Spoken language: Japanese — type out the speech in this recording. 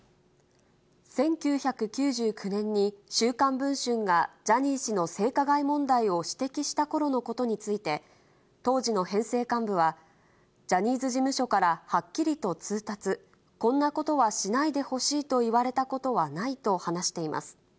１９９９年に週刊文春がジャニー氏の性加害問題を指摘したころのことについて、当時の編成幹部は、ジャニーズ事務所からはっきりと通達、こんなことはしないでほしいと言われたことはないと話しています。